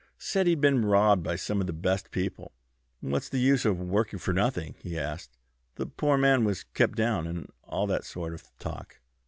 Said he'd been robbed by some of our best people; what's the use of working for nothing? he asked. The poor man was kept down, and all that sort of talk."